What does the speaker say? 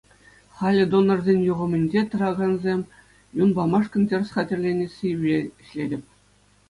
Халӗ донорсен юхӑмӗнче тӑракансем юн памашкӑн тӗрӗс хатӗрленнессипе ӗҫлетӗп.